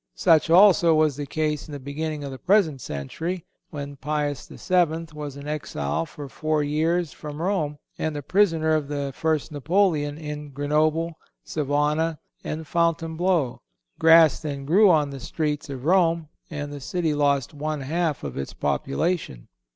Such, also, was the case in the beginning of the present century, when Pius VII. was an exile for four years from Rome, and a prisoner of the first Napoleon, in Grenoble, Savona and Fontainebleau. Grass then grew on the streets of Rome, and the city lost one half of its population.